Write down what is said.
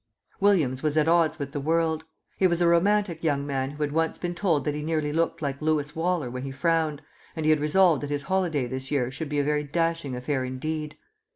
William was at odds with the world. He was a romantic young man who had once been told that he nearly looked like Lewis Waller when he frowned, and he had resolved that his holiday this year should be a very dashing affair indeed.